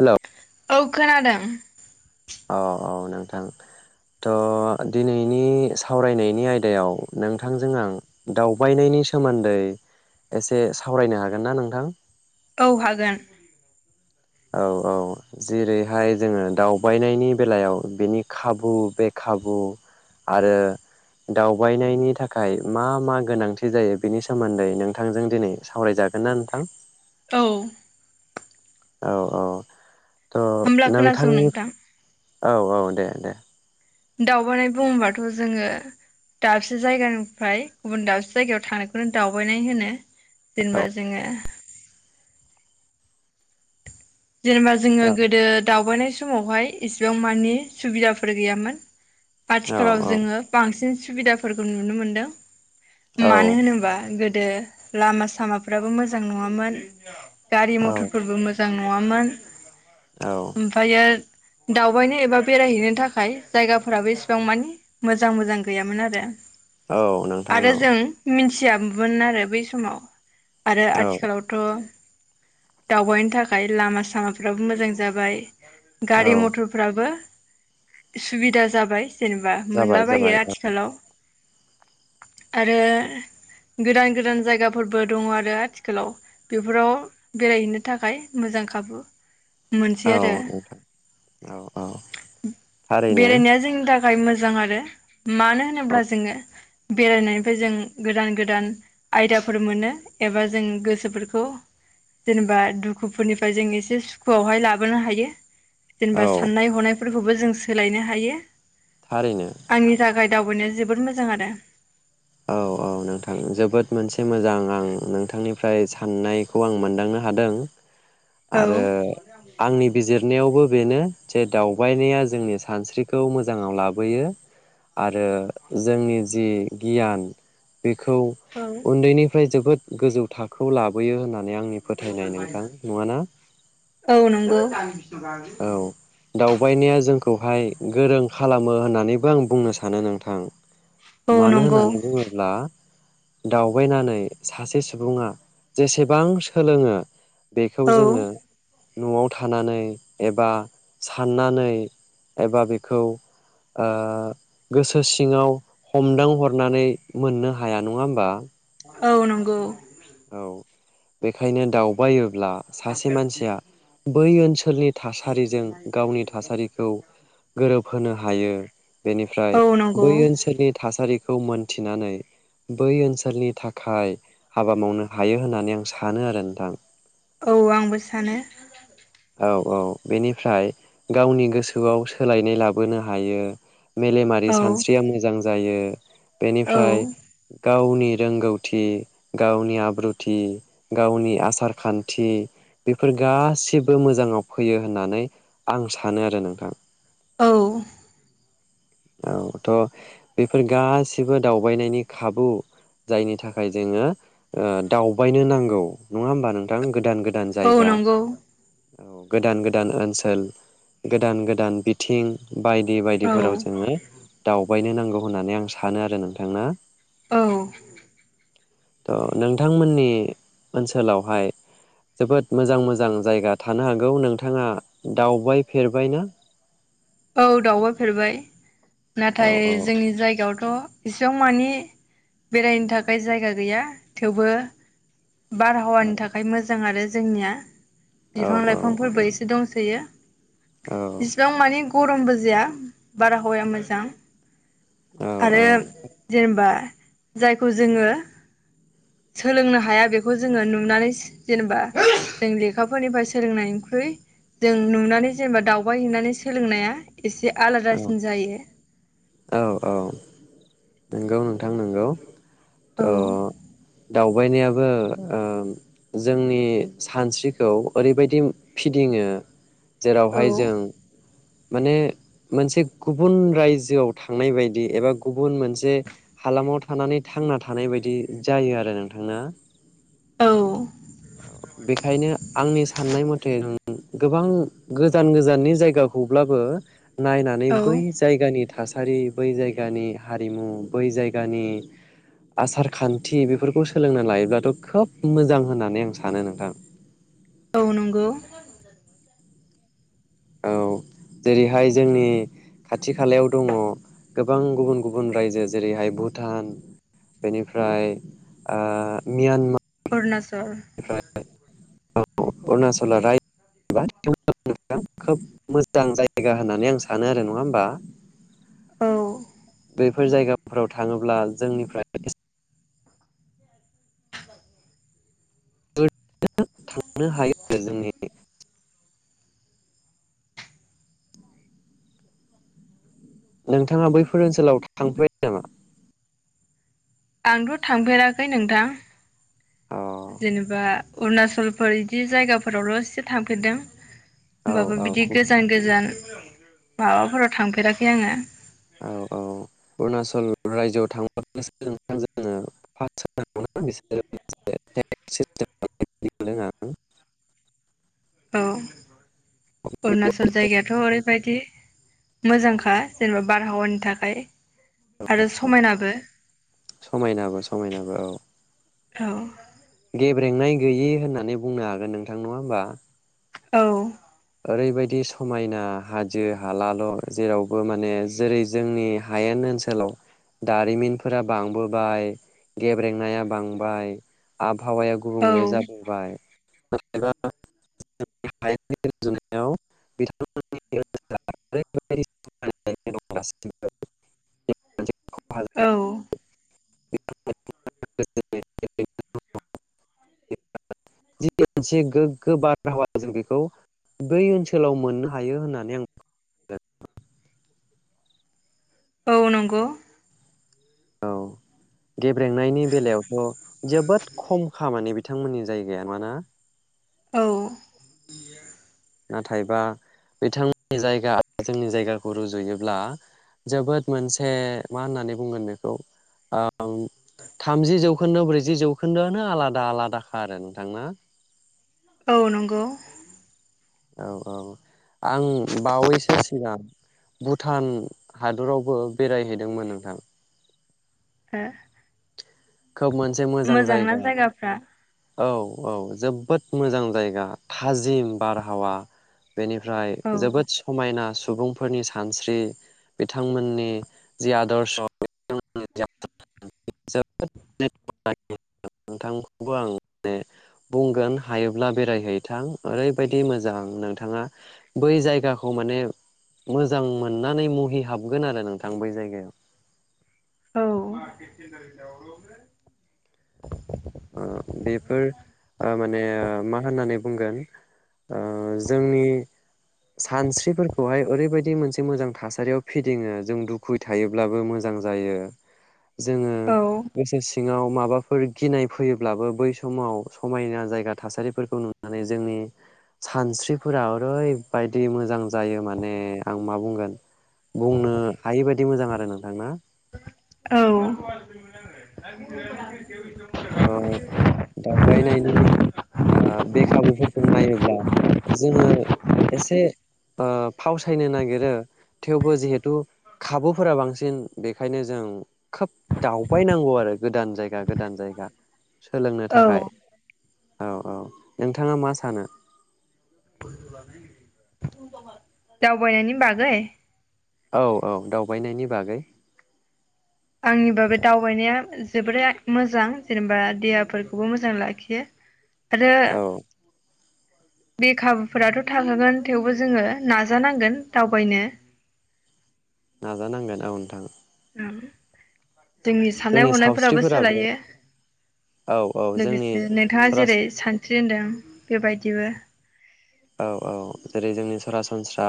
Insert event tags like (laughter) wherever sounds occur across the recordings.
हेल' औ खोनादों। अ औ नोंथां थ' दिनैनि सावरायनायनि आयदायाव नोंथांजों आं दावबायनायनि सोमोन्दै एसे सावरायनो हागोन ना नोंथां? औ हागोन। औ औ जेरैहाय जोङो दावबायनायनि बेलायाव बेनि खाबु बे खाबु आरो दावबायनायनि थाखाय मा मा गोनांथि जायो बेनि सोमोन्दै नोंथांजों दिनै सावरायजागोन ना नोंथां? औ। औ औ। होमब्ला त' खोनासं नोंथांनि नोंथां औ औ दे दे। दावबायनाय बुङोबाथ' जोङो दाबसे जायगानिफ्राय गुबुन दाबसे जायगायाव थांनायखौनो दावबायनाय होनो। औ जेनेबा जोङो जेनेबा जोङो गोदो दावबायनाय समावहाय इसेबां मानि सुबिदाफोर गैयामोन। औ आथिखालाव जोङो बांसिन सु सुबिदाफोरखौ नुनो मोनदों। औ मानो होनोबा गो गोदो लामा सामाफ्राबो मोजां नङामोन। गारि औ मथरफोरबो मोजां नङा। मङामोन औ ओमफ्राय दावबायनो एबा बेरायहैनो थाखाय जायगाफोराबो एसेबां मानि मोजां मोजां गैयामोन आरो। औ नोंथां आरो औ जों मि खिसियाबोन आरो बै समाव आरो औ आथिखालावथ' दाबायनो थ ओंखाय लामा सामाफ्राबो मोजां जाबाय। औ गारि मथरफ्राबो सुबिदा जाबाय। जेनेबा जाबाय मोनलाबायो जाबाय आथिखालाव आरो गोदान गोदान जायगाफोरबो दङ आरो आथिखालाव बेफोराव बेरायहैनो थाखाय मोजां खाबु मोनसेै औ आरो नोंथां औ औ थारैनो बेरायनाया जोंनि था थाखाय मोजां आरो मानो औ होनोब्ला जोङो बेरायनायनिफ्राय जों गोदान गोदान आयदाफोर मोनो एबा जों गोसोफोरखौ जेनेबा दुखुफोरनिफ्राय जों एसे सुखुआवहाय लाबोनो हायो। औ जेनेबा साननाय हनाय फोरखौबो जों सोलायनो हायो। थारैनो आंनि थाखाय दावबायनाया जोबोद मोजां आरो औ औ नोंथां जोबोद मोनसे मोजां आं नोंथांनिफ्राय साननायखौ आं मोनदांनो हादों। औ आरो आंनि बिजिरनायावबो बेनो जे दावबायनाया जोंनि सानस्रिखौ मोजाङाव लाबोयो आरो जोंनि जि गियान बेखौ औ उन्दैनिफ्राय जोबोद गोजौ थाखोआव लाबोयो होननानै बे आंनि फोथायनाय नोंथां नङा ना औ नंगौ (unintelligible) खौहाय गोरों खालामो होननानैबो आं बुंनो सानो नोंथां। औ मानो नंगौ होननानै बुङोब्ला दावबायनानै सासे सुबुङा जेसेबां सोलोङो बेखौ औ जोङो न'आव थानानै एबा साननानै एबा बेखौ ओ गोसो सिङाव हमदां हरनानै मोननो हाया नङा होमबा? औ नंगौ। औ बेखायनो दावबायो ब्ला सासे मानसिया बै ओनसोलनि थासारिजों गावनि थासारिखौ गोरोब होनो हायो बेनिफ्राय औ नंगौ बै ओनसोलनि थासारि खौ मोनथिनानै बै ओनसोलनि थाखाय हाबा मावनो हायो होननानै आं सानो आरो नोंथां। औ आंबो सानो। औ औ बेनिफ्राय गावनि गोसोआव सोलायनाय लाबोनो हायो। मेलेमारि औ सानस्रिया मोजां जायो। (inaudible) औ बेनिफ्राय गाव नि रोंगौथि गावनि आब्रुथि गावनि आसार खान्थि बेफोर गासिब बो मोजाङाव फैयो होननानै आं सानो आरो नोंथां। औ औ थ' बेफोर गासिबो दावबायनायनि खाबु जायनि थाखाय जोङो ओ दावबायनो नांगौ नङा होमबा नोंथां? गोदान गोदान औ जायगा नंगौ औ गोदान गोदान ओनसोल गोदान गोदान बिथिं बायदि औ बायदिफोराव ङो दाव बायनो नांगौ होननानै आं सानो आरो नोंथां ना। औ थ' नोंथांमोननि ओनसोलावहाय जोबोद मोजां मोजां जायगा थानो हागौ नोंथाङा दावबायफेरबाय ना? औ दावउबायफेरबाय। औ नाथाय जोंनि जायगायाव थ' एसेबांमानि बेरायनो थाखाय जायगा गैया थेवबो औ बारहावानि थाखाय मोजां आरो जोंनिया औ बिफां औ औ लाइफांफोरबो एसे दंसोयो इसिबां मानि गरमबो जाया बारहावाया मोजां। औ आरो जेनेबा जायखौ जोङो सोलोंनो हाया बेखौ जोङो नुनानै जेनेबा जों लेखाफोरनिफ्राय सोलोंनायनिख्रुइ जों नुनानै जेनेबा दावबाय हैैनानै सोलोंनाया (inaudible) एसे औ आलादासिन जायो। औ औ नोंगौ नोंथां नोंगौ। औ दावबायनायाबो ओ जोंनि सानस्रिखौ ओरैबायदि फिदिङो औ जेरावहाय जों माने मोनसे गुबुन रायजोआव थांनाय बायदि एबा गुबुन मोनसे हालामाव थानानै थांना थानाय बायदि। जायो आरो नोंथांना? औ। बेखायनो आंनि साननाय मथे गोबां गोजान गोजाननि जायगाखौब्लाबो नायनानै औ बै जायगानि थासा थासारि बै जायगानि हारिमु बै जायगानि आसार खान्थि बेफोरखौ सोलोंना लायोब्लाथ' खोब मोजां होननानै आं सानो नोंथां औ नंगौ। औ जेरैहाय जोंनि खाथि खालायाव दङ गोबां गुबुन गुबुन रायजो जेरैहाय भुटान बेनिफ्राय ओ म्यानमा अरुनाचल अरुणचल राय (unintelligible) खोब मोजां जायगा होननानै आं सानो आरो नङा होमबा? औ। बेफोर जायगाफोराव थाङोब्ला जोंनिफ्राय एसे (unintelligible) थांनो हायो आरो जोंनि नोंथाङा बैफोर ओनसोलाव थांफैबाय नामा? आंथ' थांफेराखै नोंथां। अ जेनेबा अरुणाचलफोर इदि जायगाफोरावल' एसे थांफेरदों। औ होमबाबो औ बिदि गोजान गोजान माबाफोराव थांफेराखै आङो। औ औ अरुणाचल रायजोआव थांबो (unintelligible) औ अरुनाचल जायगायाथ' ओरैबायदि मोजांखा। जेनेबा बारहावानि थाखाय आरो औ औ समायनाबो समायनाबो समायनाबो औ। औ। गेब्रेंनाय गैयि होननानै बुंनो हागोन नोंथां नङा होमबा? औ। ओरैबायदि समायना हाजो हालाल' जेरावबो माने जेरै जोंनि हायेन ओनसोलाव दारिमिनफोरा बांबोबाय गेब्रेंनाया बांबाय आ आबहावाया गुबुंले औ जाबोबाय। (unintelligible) औ (unintelligible) (unintelligible) (unintelligible) (unintelligible) जि मोनसे गोग्गो बार हावा जों बेखौ बै ओनसोलाव मोननो हायो होनना (unintelligible) औ नंगौ। औ गेब्रेंनायनि बेलायावथ' जोबोद खम खामानि बिथांमोननि जायगाया नङा ना? औ। नाथायबा बिथांमोननि जायगा जोंनि जायगाखौ रुजुयोब्ला जोबोद मोनसे मा होननानै बुंगोन बेखौ ओ ओं थामजि जौ खोन्दो ब्रैजि जौखोन्दोआनो आलादा आलादाखा आरो नोंथां ना औ नंगौ। औ औ आं बावैसो सिगां भुटान हादरावबो बेरायहैदोंमोन नोंथां ए खोब मोनसे मोजां जायगा जायगाफ्रा औ औ जोबोद मोजां जायगा थाजिम बारहावा बेनिफ्राय औ जोबोद समायना सुबुंफोरनि सानस्रि बिथांमोननि जि आदर्श (unintelligible) (unintelligible) नोंथांखौबो आं माने बुंगोन हायोब्ला बेरायहैथां ओरैबायदि मोजां नोंथाङा बै जायगाखौ माने मोजां मोननानै मुहि हाबगोन आरो नोंथां बै जायगायाव औ आ बेफोर माने मा होननानै बुंगोन जोंनि सानस्रिफोरखौहाय ओरैबायदि मोनसे मोजां थासारियाव फिदिङो जों दुखु थायोब्लाबो मोजां जायो। जोङो औ गोसो सिङाव माबाफोर गिनाय फैयोब्लाबो बै समाव समायना जायगा थासारिफोरखौ नुनानै जोंनि सानस्रिफोरा ओरैबायदि मोजां जायो माने आं मा बुंगोन बुंनो हायै बायदि मोजां आरो नोंथांना औ (unintelligible) दायनायनि आ बे खाबुफोरखौ नायोब्ला जोङो एसे आ फावसायनो नागिरो थेवबो जिहेथु खाबुफोरा बांसिन बेखायनो जों खोब दावबायनांगौ आरो गोदान जायगा गोदान जायगा सोलोंनो औ थाखाय औ औ नोंथाङा मा सानो दावबायनायनि बागै औ औ दावबायनायनि बागै आंनि बाबो दावबायनाया जोबोरै मोजां जेनेबा देहाफोरखौबो मोजां लाखियो। आरो औ बे खाबुफोराथ' थाखाहागोन थेवबो जोङो नाजानांगोन दावबायनो नाजानांगोन औ नोंथां। जोंनि साननाय हनायफोराबो सोलायो औ औ जोंनि लोगोसे नोंथाङा सरास जेरै सानस्रि होनदों बेबाय थिबो औ औ जेरै जोंनि सरासनस्रा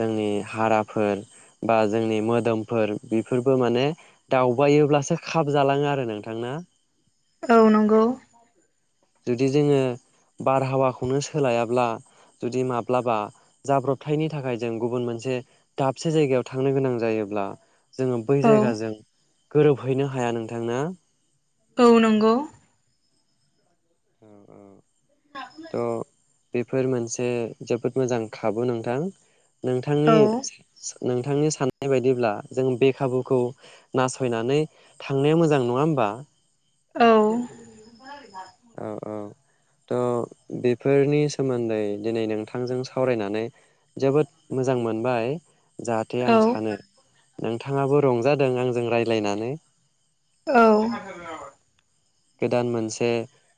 जोंनि हाराफोर बा जोंनि मोदोमफोर बेफोरबो माने दावबायोब्लासो खाब जालाङो आरो नोंथांना औ नंगौ जुदि जोङो बारहावाखौनो सोलायाब्ला जुदि माब्लाबा जाब्रबथायनि थाखाय जों गुबुन मोनसे दाबसे जायगायाव थांनो गोनां जायोब्ला जोङो बै औ जायगाजों गोरोब हैनो हाया नोंथां ना औ नंगौ। औ औ थ' बेफोर मोनसे जोबोद मोजां खाबु नोंथां। नोंथांनि औ नोंथांनि साननाय बायदिब्ला जों बे खाबुखौ नासयनानै थांनाया मोजां नङा होमबा औ औ औ थ' बेफोरनि सोमोन्दै दिनै नोंथांजों सावरायनानै जोबोद मोजां मोनबाय जाहाथे आं सानो नों नोंथाङाबो रंजादों आंजों रायज्लायनानै गोदान मोनसे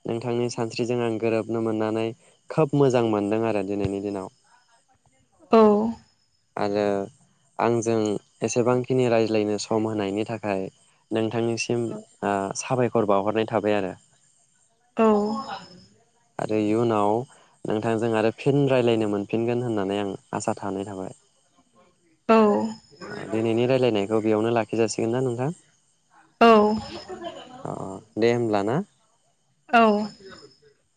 नोंथांनि सानस्रिजों आं गोरोब मोननानै खोब मोजां मोन्दों आरो दिनैनि दिनाव औ आरो आंजों एसेबांखिनि रायज्लायनो स सम होनायनि थाखाय नोंथां थांनिसिम साबाय खर बावहरनाय थाबाय आरो औ आरो इयुनाव नोंथांजों आरो फिन रायज्लायनो मोनफिनगोन होननानै आं आसा थानाय थाबाय औ औ दिनैनि रायलायनायखौ बेयावनो ला जासिगोन ना नोंथां अ दे औ होमब्ला ना। औ